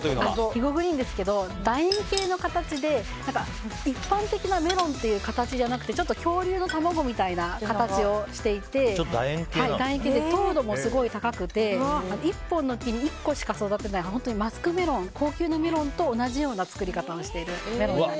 肥後グリーンですが楕円形の形で一般的なメロンという形じゃなくて恐竜の卵みたいな形をしていて、楕円形で糖度もすごい高くて１本の木に１個しか育たない本当に高級なマスクメロンみたいな同じような作り方をしているメロンになります。